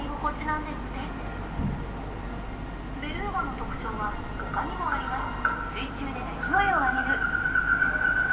ベルーガの特徴はほかにもあります。